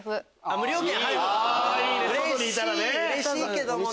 うれしいけどもね。